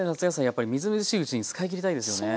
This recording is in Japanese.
やっぱりみずみずしいうちに使いきりたいですよね。